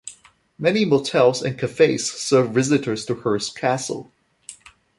Many motels and cafes serve visitors to Hearst Castle.